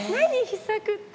秘策って。